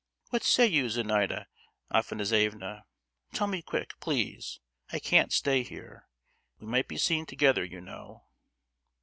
What say you, Zenaida Afanassievna; tell me quick, please, I can't stay here. We might be seen together, you know."